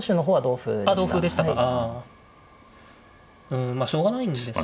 うんまあしょうがないんですね。